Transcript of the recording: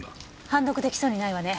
判読出来そうにないわね。